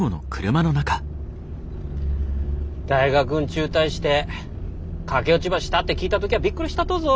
大学ん中退して駆け落ちばしたって聞いた時やびっくりしたとぞ。